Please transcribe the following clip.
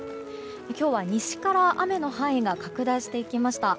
今日は西から雨の範囲が拡大していきました。